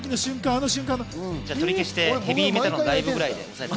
じゃあ取り消して、ヘビーメタルのライブぐらいで。